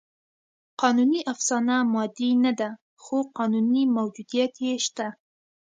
قانوني افسانه مادي نهده؛ خو قانوني موجودیت یې شته.